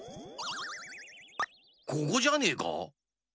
ここじゃねえか？